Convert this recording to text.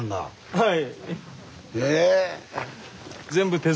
はい。